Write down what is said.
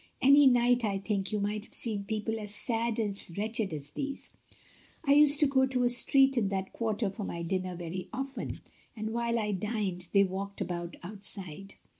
"Any night, I think, you might have seen people as sad and wretched as these. I used to go to a street in that quarter for my dinner very often, and while I dined 76 MRS. DYMOND. they walked about outside.